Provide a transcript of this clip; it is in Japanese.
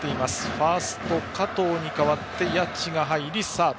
ファーストの加藤に代わり谷内が入り、サード。